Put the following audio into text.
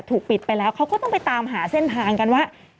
ถูกปิดไปแล้วเขาก็ต้องไปตามหาเส้นทางกันว่า